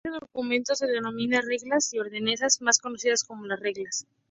Dicho documento se denomina "Reglas y Ordenanzas", más conocidas como las Reglas.